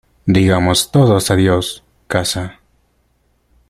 Digamos todos adiós, casa.